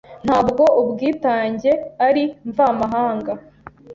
ntabwo ubwitange ari mvamahanga